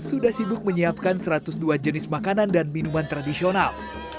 sudah sibuk menyiapkan satu ratus dua jenis makanan dan minuman tradisional